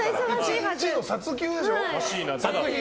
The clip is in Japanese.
１日の撮休でしょ。